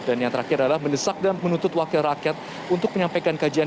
dan yang terakhir adalah mendesak dan menuntut wakil rakyat untuk menyampaikan kajian